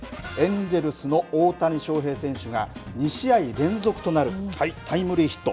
エンジェルスの大谷翔平選手が２試合連続となるタイムリーヒット。